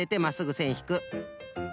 せんひく。